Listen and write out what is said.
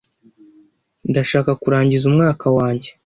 Ndashaka kurangiza umwaka wanjye